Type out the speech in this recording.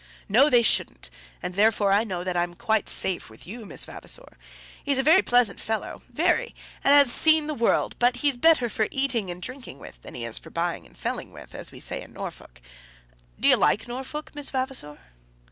"No, they shouldn't; and therefore I know that I'm quite safe with you, Miss Vavasor. He's a very pleasant fellow, very; and has seen the world, uncommon; but he's better for eating and drinking with than he is for buying and selling with, as we say in Norfolk. Do you like Norfolk, Miss Vavasor?"